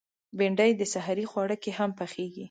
بېنډۍ د سحري خواړه کې هم پخېږي